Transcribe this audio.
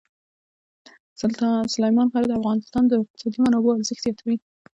سلیمان غر د افغانستان د اقتصادي منابعو ارزښت زیاتوي.